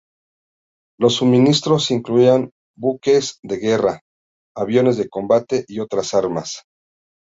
Los suministros incluían buques de guerra, aviones de combate y otras armas.